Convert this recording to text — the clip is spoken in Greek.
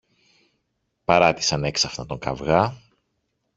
παράτησαν έξαφνα τον καβγά